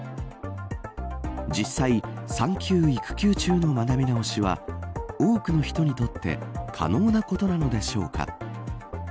実際、産休・育休中の学び直しは多くの人にとって可能なことなのでしょうか。